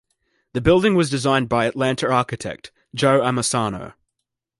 The building was designed by Atlanta architect, Joe Amisano.